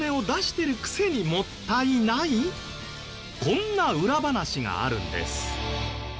こんな裏話があるんです。